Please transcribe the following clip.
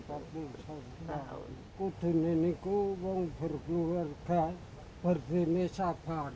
aku di sini mau berkeluarga berdiri sabar